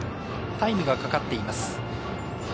タイムがかかっています。